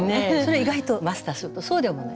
意外とマスターするとそうでもない。